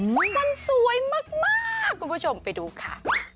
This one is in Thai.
มันสวยมากคุณผู้ชมไปดูค่ะ